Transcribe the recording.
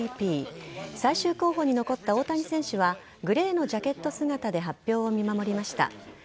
最終候補に残った大谷選手はグレーのジャケット姿で発表を見守りました。